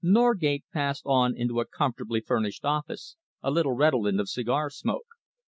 Norgate passed on into a comfortably furnished office, a little redolent of cigar smoke.